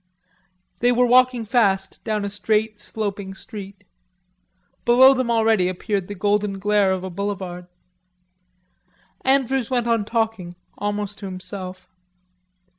They were walking fast down a straight, sloping street. Below them already appeared the golden glare of a boulevard. Andrews went on talking, almost to himself.